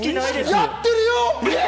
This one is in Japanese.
やってるよ！